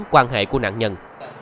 quan hệ của nạn nhân